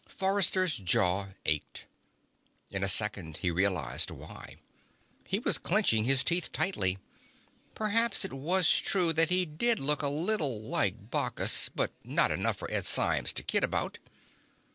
Forrester's jaw ached. In a second he realized why; he was clenching his teeth tightly. Perhaps it was true that he did look a little like Bacchus, but not enough for Ed Symes to kid about it.